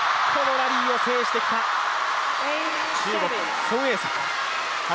ラリーを制してきた中国の孫エイ莎。